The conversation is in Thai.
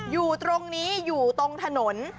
อยู่ตรงนี้อยู่ตรงถนน